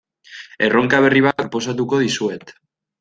Erronka berri bat proposatuko dizuet.